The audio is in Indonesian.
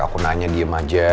aku nanya diem aja